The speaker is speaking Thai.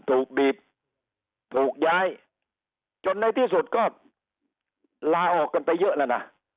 ถูกบีบถูกย้ายจนในที่สุดก็ลาออกกันไปเยอะแล้วนะ